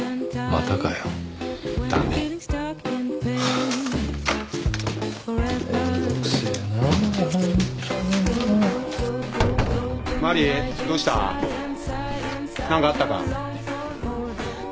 何かあったか？